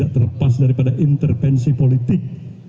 terlepas daripada intervensi politik